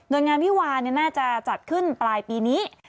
โดยงานวิวาน่าจะจัดขึ้นปลายปีนี้